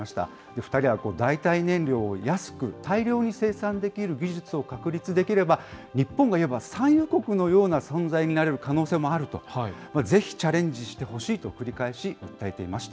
２人は代替燃料を安く大量に生産できる技術を確立できれば、日本といえば産油国のような存在になれる可能性もあると、ぜひチャレンジしてほしいと、繰り返し訴えていました。